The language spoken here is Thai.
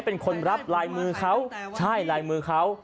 เป็นคนรับลายมือเขาใช่ลายมือเขา